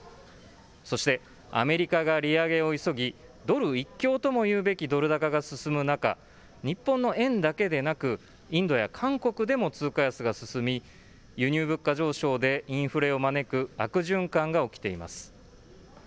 そして、アメリカが利上げを急ぎ、ドル一強ともいうべきドル高が進む中、日本の円だけでなく、インドや韓国でも通貨安が進み、輸入物価上昇でインフレを招く悪循環が起きています。